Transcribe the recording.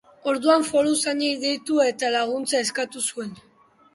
Orduan, foruzainei deitu eta laguntza eskatu zuen.